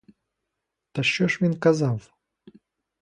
Та що ж він казав?